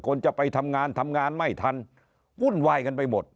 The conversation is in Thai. คนจะไปทำงานทำงานไม่ทันวุ่นวายกันไปหมด